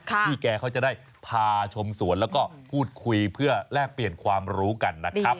พี่แกเขาจะได้พาชมสวนแล้วก็พูดคุยเพื่อแลกเปลี่ยนความรู้กันนะครับ